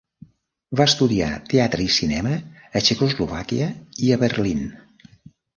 Va estudiar teatre i cinema a Txecoslovàquia i a Berlín.